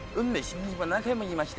何回も言いました。